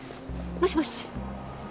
もしもし？